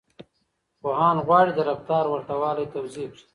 پوهان غواړي د رفتار ورته والی توضيح کړي.